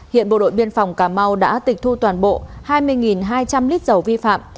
hiện bộ đội biên phòng cà mau đã tịch thu toàn bộ hai mươi hai trăm linh lít dầu vi phạm